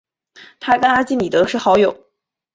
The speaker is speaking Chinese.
他跟阿基米德是好友。